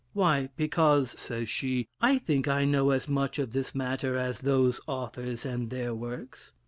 'Why, because,' says she, 'I think I know as much of this matter as those authors and their works.'